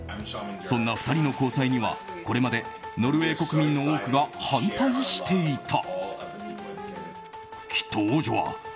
そんな２人の交際にはこれまで、ノルウェー国民の多くが反対していた。